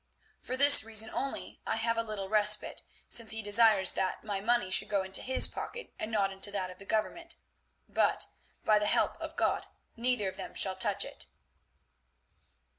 For this reason only I have a little respite, since he desires that my money should go into his pocket and not into that of the Government. But, by the help of God, neither of them shall touch it.